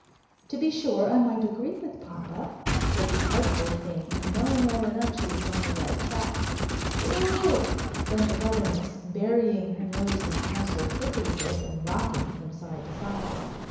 "To be sure, I might agree with papa," said the artful thing, knowing well enough she was on the right track. "Oo oo!" went the Governess, burying her nose in the household cookery book and rocking from side to side.